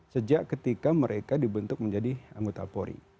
sejak ketika mereka dibentuk menjadi anggota polri